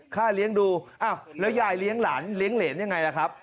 ค่าเลี้ยงดูอ้าวแล้วยายเลี้ยงหลานเลี้ยงเหรนยังไงล่ะครับ